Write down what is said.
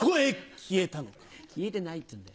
消えてないっつうんだよ。